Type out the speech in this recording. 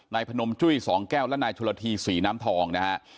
นายพนมจุ้ยสองแก้วและนายชุระธีศรีน้ำทอง